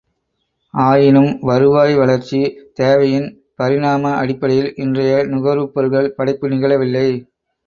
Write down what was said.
ஆயினும் வருவாய் வளர்ச்சி, தேவையின் பரிணாம அடிப்படையில் இன்றைய நுகர்வுப் பொருள்கள் படைப்பு நிகழவில்லை!